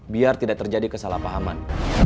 biar tidak terjadi kesalahpahaman